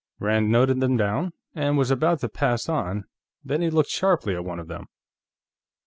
Rand noted them down, and was about to pass on; then he looked sharply at one of them.